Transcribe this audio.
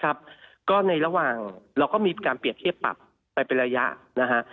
ก็ในระหว่างเราก็มีการเปรียบเทียบปรับไปเป็นระยะนะฮะ